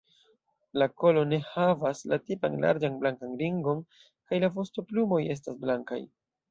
La kolo ne havas la tipan larĝan blankan ringon, kaj la vostoplumoj estas blankaj.